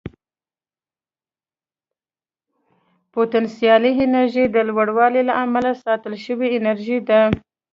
پوتنسیالي انرژي د لوړوالي له امله ساتل شوې انرژي ده.